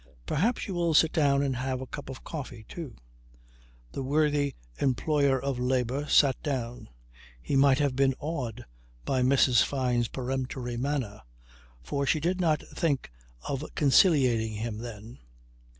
"Perhaps you will sit down and have a cup of coffee, too." The worthy "employer of labour" sat down. He might have been awed by Mrs. Fyne's peremptory manner for she did not think of conciliating him then.